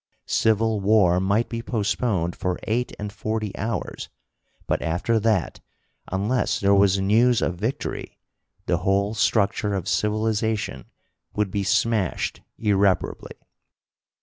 Civil war might be postponed for eight and forty hours, but after that unless there was news of victory, the whole structure of civilization would be smashed irreparably.